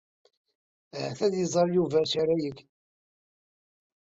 Ahat ad iẓer Yuba d acu ara yeg.